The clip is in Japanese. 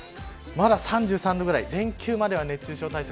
まだ３３度ぐらい連休までは熱中症対策